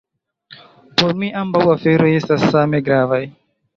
Por mi ambaŭ aferoj estas same gravaj.